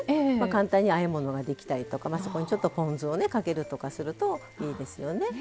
簡単にあえ物ができたりとかそこにちょっとポン酢をねかけるとかするといいですよね。